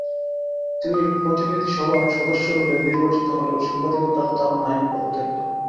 তিনি প্রতিনিধি সভার সদস্যরূপে নির্বাচিত হলেও সাংবাদিকতার তাড়নায় পদত্যাগ করেন।